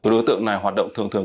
đối tượng này hoạt động thường thường